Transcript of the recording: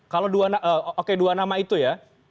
kalau oke dua nama itu ya